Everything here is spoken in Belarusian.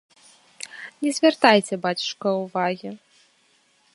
Не звяртайце, бацюшка, увагі.